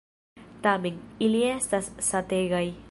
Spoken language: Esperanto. Tamen, ili estas sategaj.